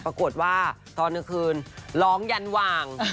ปรากฏว่าตอนกลางคืนร้องยันหว่าง